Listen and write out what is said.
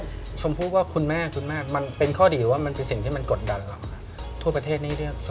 ความอะไรเอ่ยอะไรอย่างเงี้ย